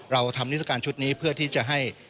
เราทำนิสการชุดนี้เพื่อที่จะให้